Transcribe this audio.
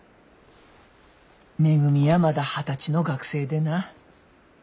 めぐみやまだ二十歳の学生でな。